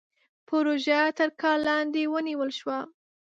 پروژه تر کار لاندې ونيول شوه.